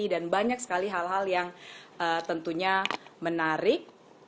dan banyak sekali hal hal yang tentunya menarik